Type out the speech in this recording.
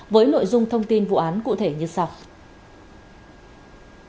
với nội dung thông tin vụ án cụ thể như sau